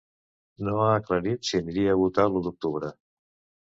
No ha aclarit si aniria a votar l’u d’octubre.